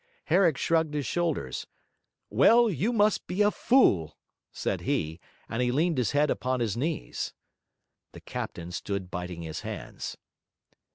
Herrick shrugged his shoulders. 'Well, you must be a fool,' said he, and he leaned his head upon his knees. The captain stood biting his hands.